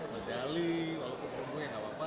medali walaupun umurnya gak apa apa